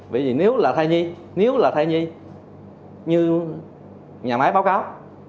bởi vì nếu là thai nhi nếu là thai nhi như nhà máy báo cáo